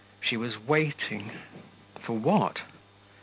She was waiting ... for what?